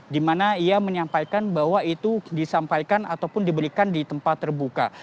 di mana ia menyampaikan bahwa itu disampaikan ataupun diberikan di tempat terbuka